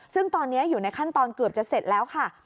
ซึ่งตอนนี้อยู่ในขั้นตอนเกือบจะเสร็จแล้วค่ะ